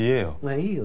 いいよ。